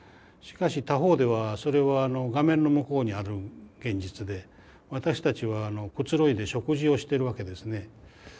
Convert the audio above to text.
しかし他方ではそれは画面の向こうにある現実で私たちはくつろいで食事をしてるわけですね。